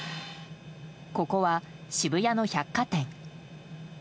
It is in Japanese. ここは渋谷の百貨店。